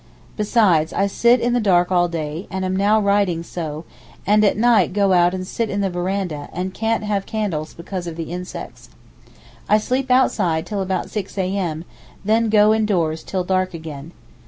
Besides, I sit in the dark all day, and am now writing so—and at night go out and sit in the verandah, and can't have candles because of the insects. I sleep outside till about six a.m., and then go indoors till dark again.